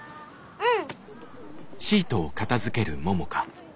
うん。